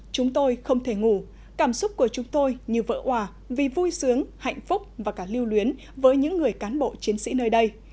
chúng tôi không thể ngủ cảm xúc của chúng tôi như vỡ hòa vì vui sướng hạnh phúc và cả lưu luyến với những người cán bộ chiến sĩ nơi đây